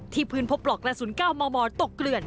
ที่พื้นพบปลอกกระสุนก้าวมอตกเลื่อน